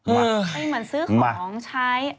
เหมือนซื้อของใช้